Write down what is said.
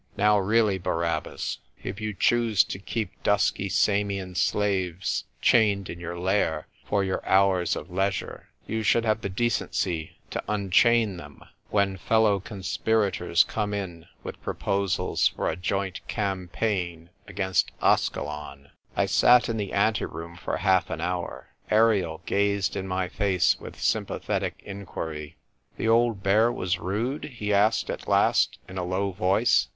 " Now, really, Barabbas, if you choose to keep dubky Samian slaves chained in your lair for your hours of leisure, you should have the decency to unchain them when fellow "NOW BARABBAS WAS A PUBLISHER." I S3 conspirators come in with proposals for a joint campaign against Askelon." I sat in the anteroom for half an hour. Ariel gazed in my face with sympathetic inquiry. " The old bear was rude ?" he asked at last, in a low voice.